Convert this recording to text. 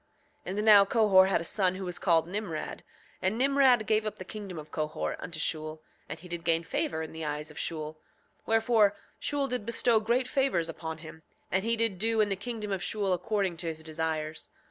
7:22 And now Cohor had a son who was called Nimrod; and Nimrod gave up the kingdom of Cohor unto Shule, and he did gain favor in the eyes of Shule; wherefore Shule did bestow great favors upon him, and he did do in the kingdom of Shule according to his desires.